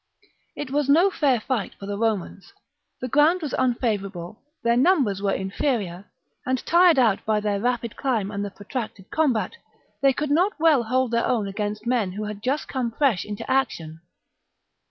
It was no fair fight for the Romans. The ground was unfavourable ; their numbers were inferior ; and, tired out by their rapid climb and the protracted combat, they could not well hold their own against men who had just come fresh into action.